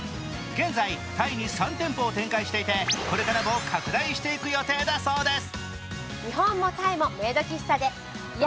現在、タイに３店舗を展開していてこれからも拡大していく予定だそうです。